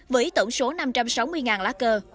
với tổng số năm trăm sáu mươi lá cờ